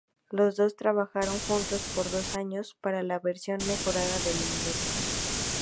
Los dos trabajaron juntos por dos años para la versión mejorada del mod.